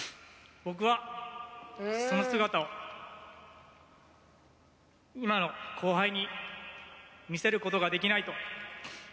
僕はその姿を今の後輩に見せる事ができないと。